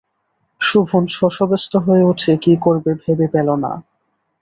শোভন শশব্যস্ত হয়ে উঠে কী করবে ভেবে পেল না।